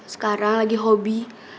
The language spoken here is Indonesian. sekarang lagi hobi